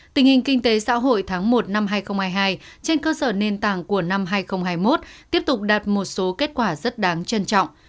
tình hình kinh tế xã hội tháng một năm hai nghìn hai mươi hai trên cơ sở nền tảng của năm hai nghìn hai mươi một tiếp tục đạt một số kết quả rất đáng trân trọng